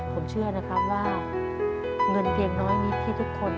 ผมเชื่อนะครับว่าเงินเพียงน้อยมีที่ทุกคน